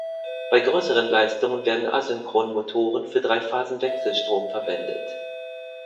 Bei größeren Leistungen werden Asynchronmotoren für Dreiphasenwechselstrom verwendet.